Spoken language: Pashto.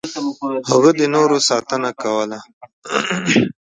هغه د نورو ساتنه کوله.